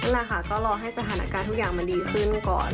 แหละค่ะก็รอให้สถานการณ์ทุกอย่างมันดีขึ้นก่อน